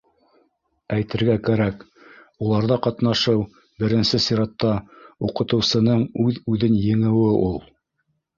Әйтергә кәрәк, уларҙа ҡатнашыу, беренсе сиратта, уҡытыусының үҙ-үҙен еңеүе ул.